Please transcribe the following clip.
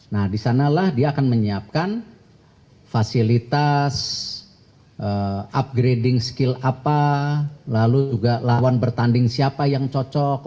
nah disanalah dia akan menyiapkan fasilitas upgrading skill apa lalu juga lawan bertanding siapa yang cocok